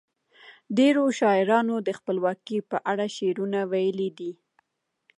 ډیرو شاعرانو د خپلواکۍ په اړه شعرونه ویلي دي.